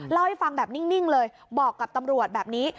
เล่าให้ฟังแบบนิ่งเลยบอกกับตำรวจแบบนี้